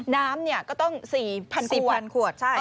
น้ำก็ต้อง๔๐๔๐๐ขวด